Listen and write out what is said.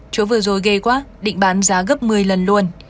chỗ vừa rồi ghê quá định bán giá gấp một mươi lần luôn